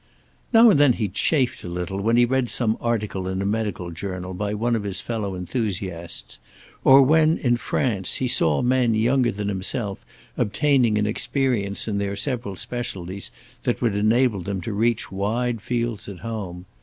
Now and then he chafed a little when he read some article in a medical journal by one of his fellow enthusiasts, or when, in France, he saw men younger than himself obtaining an experience in their several specialties that would enable them to reach wide fields at home.